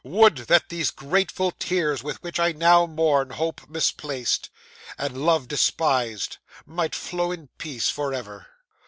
Would that these grateful tears with which I now mourn hope misplaced, and love despised, might flow in peace for ever!"